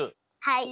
はい。